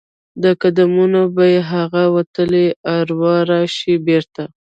د قدمونو به یې هغه وتلي اروا راشي بیرته؟